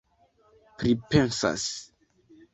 pripensas